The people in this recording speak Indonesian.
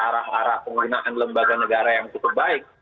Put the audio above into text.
ada yang mengatakan penggunaan lembaga negara yang cukup baik